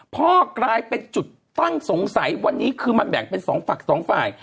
พ่อกลายเป็นจุดตั้งสงสัยว่าอันนี้คือมาแบ่งเป็น๒ฝั่ง๒ฝ่าย